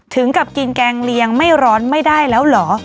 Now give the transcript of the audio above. ถึงกับกินแกงเลียงไม่ร้อนไม่ได้แล้วเหรอ